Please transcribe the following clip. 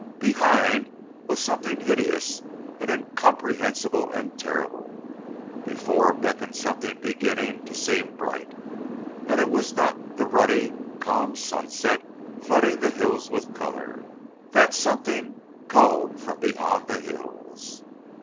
Behind was something hideous and incomprehensible and terrible; before beckoned something beginning to seem bright. And it was not the ruddy, calm sunset, flooding the hills with color. That something called from beyond the hills.